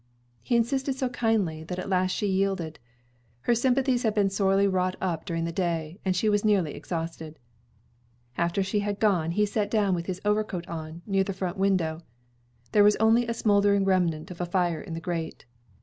He insisted so kindly that at last she yielded. Her sympathies had been sorely wrought upon during the day, and she was nearly exhausted. After she had gone, he sat down with his overcoat on, near the front window. There was only a smoldering remnant of a fire in the grate.